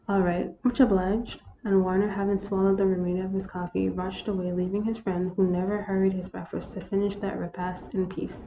" All right ; much obliged." And Warner, having swallowed the remainder of his coffee, rushed away, leaving his friend, who never hurried his breakfast, to finish that repast in peace.